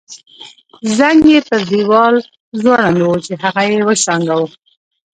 زنګ یې پر دیوال ځوړند وو چې هغه یې وشرنګاوه.